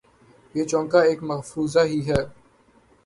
یہ چونکہ ایک مفروضہ ہی ہے۔